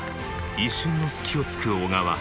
一瞬の隙をつく小川。